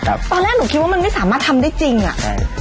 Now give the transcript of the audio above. ตอนแรกหนูคิดว่ามันไม่สามารถทำได้จริงอ่ะใช่